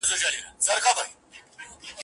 پر ګودر دي مېلمنې د بلا سترګي